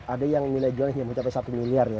ada yang nilai jualnya mencapai satu miliar ya